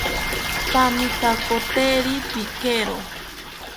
Pamitakoteri pikero